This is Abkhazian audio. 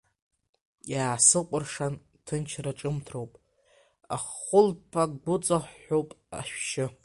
Иаасыкәыршан ҭынчра ҿымҭроуп, ахәылԥагәыҵаҳәҳәоуп ашәшьы.